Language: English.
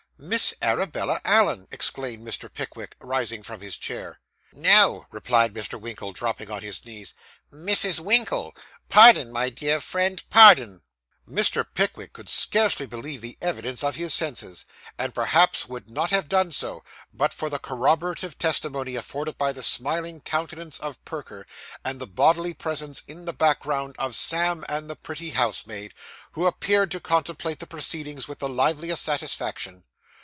'Miss Arabella Allen!' exclaimed Mr. Pickwick, rising from his chair. 'No,' replied Mr. Winkle, dropping on his knees. 'Mrs. Winkle. Pardon, my dear friend, pardon!' Mr. Pickwick could scarcely believe the evidence of his senses, and perhaps would not have done so, but for the corroborative testimony afforded by the smiling countenance of Perker, and the bodily presence, in the background, of Sam and the pretty housemaid; who appeared to contemplate the proceedings with the liveliest satisfaction.